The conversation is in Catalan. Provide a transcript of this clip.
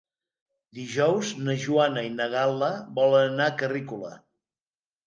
Dijous na Joana i na Gal·la volen anar a Carrícola.